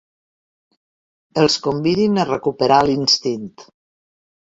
Els convidin a recuperar l'instint.